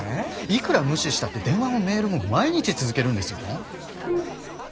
いくら無視したって電話もメールも毎日続けるんですよ？